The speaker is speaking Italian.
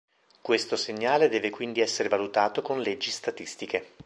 Questo segnale deve quindi essere valutato con leggi statistiche.